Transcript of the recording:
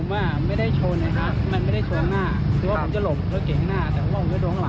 ไม่ได้ชนนะครับมันไม่ได้ชนหน้า